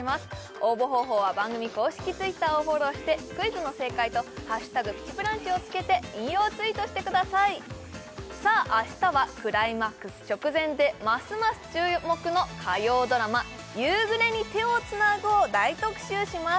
応募方法は番組公式Ｔｗｉｔｔｅｒをフォローしてクイズの正解と「＃プチブランチ」をつけて引用ツイートしてくださいさああしたはクライマックス直前でますます注目の火曜ドラマ「夕暮れに、手をつなぐ」を大特集します